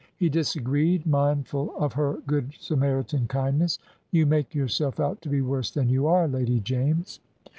He disagreed, mindful of her Good Samaritan kindness. "You make yourself out to be worse than you are, Lady James."